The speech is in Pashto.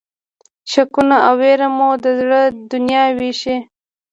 شکونه او وېره مو د زړه دنیا وېشي.